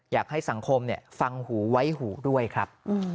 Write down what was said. อยากให้สังคมฟังหูไว้หูด้วยครับ